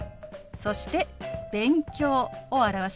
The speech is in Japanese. そして「勉強」を表します。